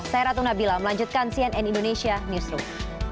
saya ratu nabila melanjutkan cnn indonesia newsroom